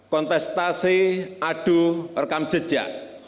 kontestasi adu rekam jejak